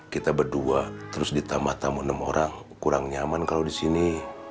kita berdua terus ditambah tamu enam orang kurang nyaman kalau di sini